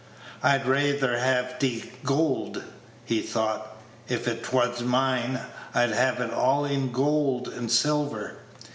"I'd rayther have 't i' goold," he thought; Page 112 "if 't was mine, I'd have it all i' goold and silver."